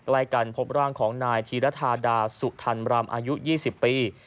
ใกล้กันพบร่างของนายธีรธาดาสุทันรำอายุ๒๐ปี